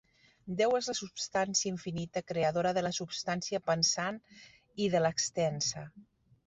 Déu és la substància infinita, creadora de la substància pensant i de l'extensa.